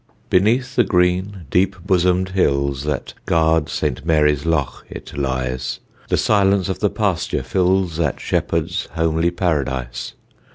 Beneath the green deep bosomed hills That guard Saint Mary's Loch it lies, The silence of the pasture fills That shepherd's homely paradise.